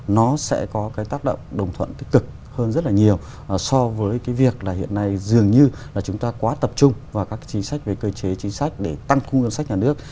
nó sẽ có cái tác động đồng thuận tích cực hơn rất là nhiều so với cái việc là hiện nay dường như là chúng ta quá tập trung vào các chính sách về cơ chế chính sách để tăng thu ngân sách nhà nước